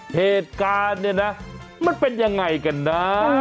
เหตุการณ์เนี่ยนะมันเป็นยังไงกันนะ